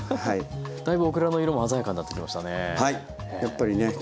だいぶオクラの色も鮮やかになってきましたねえ。